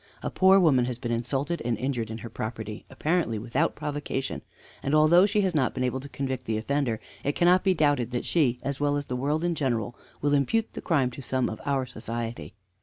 A poor woman has been insulted and injured in her property, apparently without provocation, and although she has not been able to convict the offender, it cannot be doubted that she, as well as the world in general, will impute the crime to some of our society.